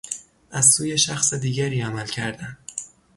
از سوی شخص دیگری عمل کردن